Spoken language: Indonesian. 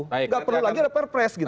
nggak perlu lagi ada perpres gitu